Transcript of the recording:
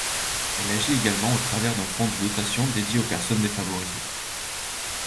Elle agit également au travers d'un fonds de dotation dédié aux personnes défavorisées.